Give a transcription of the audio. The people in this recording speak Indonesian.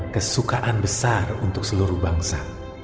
kesukaan besar untuk seluruh bangsa